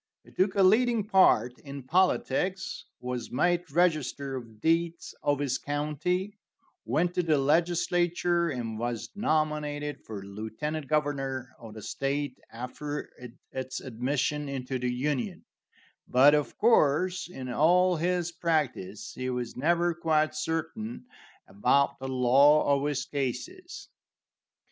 He took a leading part in politics, was made register of deeds of his county, went to the legislature, and was nominated for lieutenant governor of the state after its admission into the Union; but, of course, in all his practice he was never quite certain about the law of his cases.